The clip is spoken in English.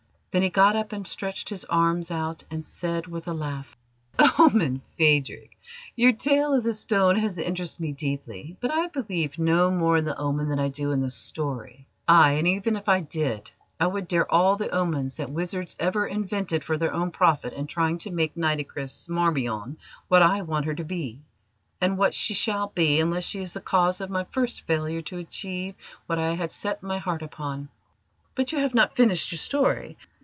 Then he got up and stretched his arms out and said with a laugh: "Omen, Phadrig! Your tale of the stone has interested me deeply, but I believe no more in the omen than I do in the story. Ay, and even if I did, I would dare all the omens that wizards ever invented for their own profit in trying to make Nitocris Marmion what I want her to be, and what she shall be unless she is the cause of my first failure to achieve what I had set my heart upon. But you have not finished your story.